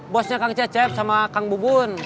bosnya kang cecep sama kang bubun